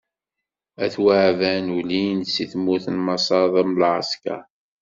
At Waɛban ulin-d si tmurt n Maṣer am lɛeskeṛ.